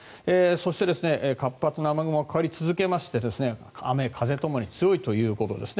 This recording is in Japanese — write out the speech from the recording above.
そして活発な雨雲がかかり続けまして雨風共に強いということです。